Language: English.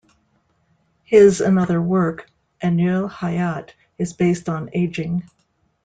His another work, "Ainul Hayat" is based on Ageing.